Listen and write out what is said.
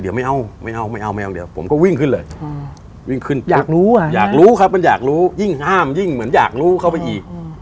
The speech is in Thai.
เดี๋ยวไม่เอาไม่เอาไม่เอาไม่เอาเดี๋ยวผมก็วิ่งขึ้นเลยวิ่งขึ้นอยากรู้อ่ะอยากรู้ครับมันอยากรู้ยิ่งห้ามยิ่งเหมือนอยากรู้เข้าไปอีก